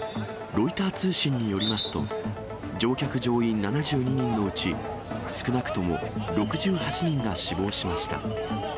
ロイター通信によりますと、乗客・乗員７２人のうち、少なくとも６８人が死亡しました。